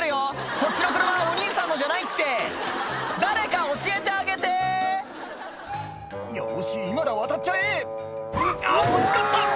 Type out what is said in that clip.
そっちの車はお兄さんのじゃないって誰か教えてあげて「よし今だ渡っちゃえ」あっぶつかった！